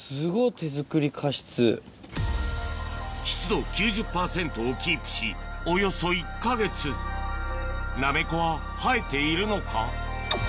湿度９０％をキープしおよそ１か月ナメコは生えているのか？